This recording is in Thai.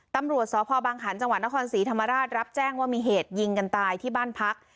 ตำรวจสพบังขันจังหวัดนครศรีธรรมราชรับแจ้งว่ามีเหตุยิงกันตายที่บ้านพัก